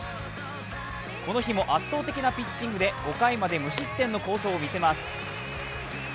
この日も圧倒的なピッチングで５回まで無失点の好投を見せます。